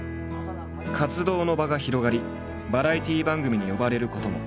活動の場が広がりバラエティー番組に呼ばれることも。